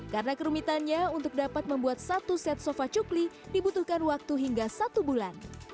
karena kerumitannya untuk dapat membuat satu set sofa cukli dibutuhkan waktu hingga satu bulan